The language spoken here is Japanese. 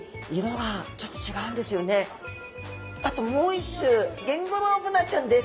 あともう一種ゲンゴロウブナちゃんです。